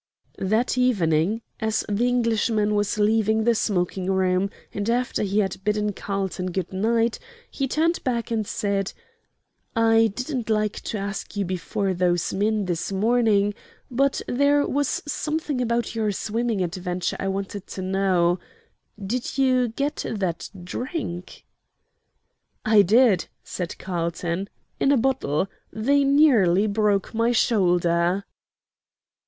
That evening, as the Englishman was leaving the smoking room, and after he had bidden Carlton good night, he turned back and said: "I didn't like to ask you before those men this morning, but there was something about your swimming adventure I wanted to know: Did you get that drink?" "I did," said Carlton "in a bottle. They nearly broke my shoulder."